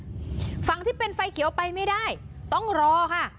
เรื่อยด้วยนะฝั่งที่เป็นไฟเขียวไปไม่ได้ต้องรอค่ะ